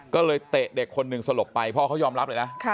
ก็เลยเตะเด็กคนหนึ่งสลบไปพ่อเขายอมรับเลยนะ